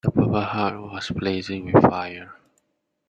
The purple heart was blazing with fire.